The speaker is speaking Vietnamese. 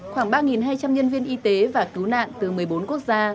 khoảng ba hai trăm linh nhân viên y tế và cứu nạn từ một mươi bốn quốc gia